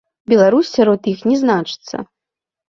Беларусь сярод іх не значыцца.